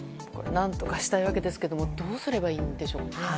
何とかしたいですけどどうすればいいんでしょう。